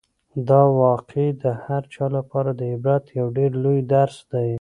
دا واقعه د هر چا لپاره د عبرت یو ډېر لوی درس دی.